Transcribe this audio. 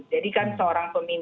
jadi kan seorang pemilu ya